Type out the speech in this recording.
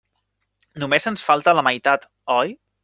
Només ens en falta la meitat, oi?